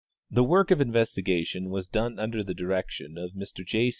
The work of investigation was done under the direction of Mr J.